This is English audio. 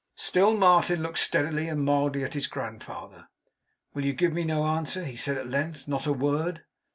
Still Martin looked steadily and mildly at his grandfather. 'Will you give me no answer,' he said, at length, 'not a word?